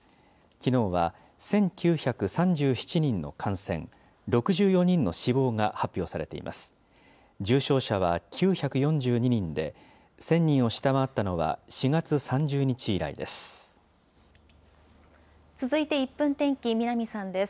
きのうは１９３７人の感染、６４人の死亡が発表されています。